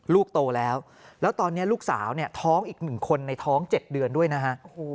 ลูกโตแล้วแล้วตอนนี้ลูกสาวเนี่ยท้องอีก๑คนในท้อง๗เดือนด้วยนะฮะ